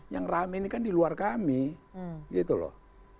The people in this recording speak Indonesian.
yang rame ini kan di luar kami gitu loh